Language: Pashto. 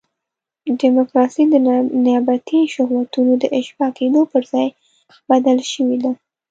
ډیموکراسي د نیابتي شهوتونو د اشباع کېدو پر ځای بدله شوې ده.